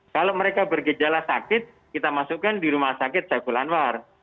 kalau mereka bergejala sakit kita masukkan di rumah sakit saiful anwar